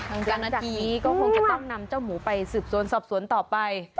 มาจากนี้ก็คงต้องนำเจ้าหมูไปสืบซวนสอบสวนต่อไป